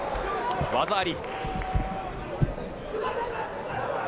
技あり。